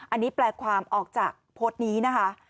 อันนี้แปลความออกจากโพสต์นี้นะคะ